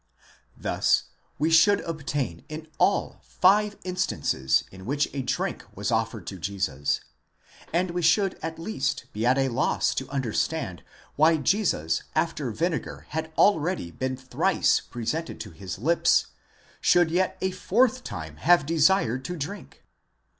Thus we should obtain in all five instances in which a drink was offered to Jesus, and we should at least: be at a loss to understand why Jesus after vinegar had already been thrice presented to his lips, should yet a fourth time have desired to drink.